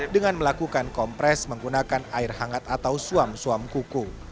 dengan melakukan kompres menggunakan air hangat atau suam suam kuku